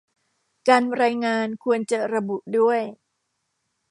การรายงานควรจะระบุด้วย